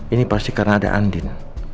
ini pasti karena ada andina